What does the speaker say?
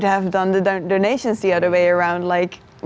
kami akan melakukan donasi di jalan lain seperti membawa uang ke sana